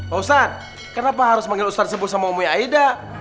pak ustadz kenapa harus panggil ustadz sepuh sama umi aida